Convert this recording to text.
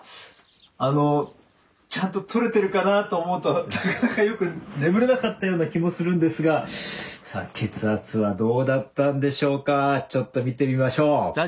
あのちゃんと取れてるかなと思うとなかなかよく眠れなかったような気もするんですがさあ血圧はどうだったんでしょうかちょっと見てみましょう。